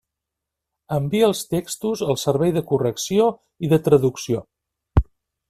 Envia els textos al servei de correcció i de traducció.